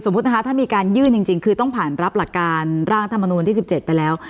ถ้ามีการยื่นจริงคือต้องผ่านรับหลักการร่างรัฐมนูลที่๑๗ไปแล้ว